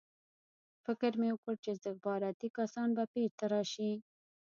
فکر مې وکړ چې استخباراتي کسان به بېرته راشي